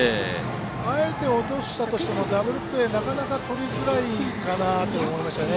あえて落としたとしてもダブルプレーなかなかとりづらいかなと思いましたね。